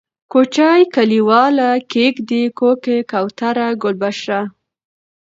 کوچۍ ، کليواله ، کيږدۍ ، کوکۍ ، کوتره ، گلبشره